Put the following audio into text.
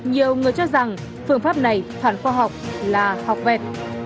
nhiều người cho rằng phương pháp này phản khoa học là học vẹt